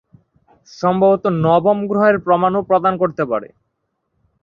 সম্ভবত নবম গ্রহের প্রমাণও প্রদান করতে পারে।